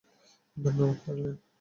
ধন্যবাদ, হারলিন।